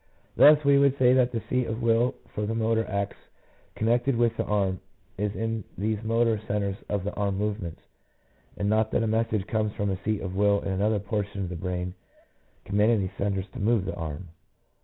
Thus, we would say that the seat of will for the motor acts connected with the arm is in these motor centres of arm movements, and not that a message comes from a seat of will in another portion of the brain com manding these centres to move the arm.